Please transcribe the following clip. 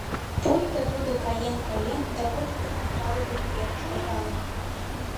Пуйто тудо каен-каен да вучыдымын палыдыме верыш логалын.